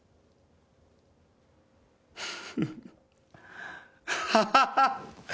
フフフアハハハ！